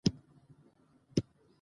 د خلکو غږ د نظام د سمون لار ده